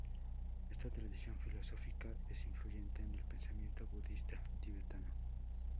Esta tradición filosófica es influyente en el pensamiento budista tibetano.